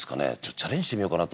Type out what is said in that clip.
チャレンジしてみようかなと。